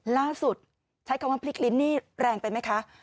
ใช้คำว่าพลิกลิ้นนี่แรงไปไหมคะ